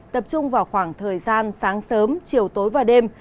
tập trung vào khoảng thời gian sáng sớm chiều tối và đêm